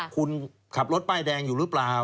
คุณขับรถป้ายแดงอยู่หรือเปล่า